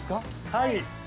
はい。